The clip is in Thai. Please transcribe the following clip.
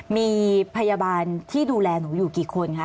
มีพยาบาลที่ดูแลหนูอยู่กี่คนคะ